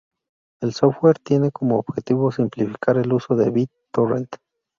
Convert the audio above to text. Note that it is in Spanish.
El software tiene como objetivo simplificar el uso de BitTorrent.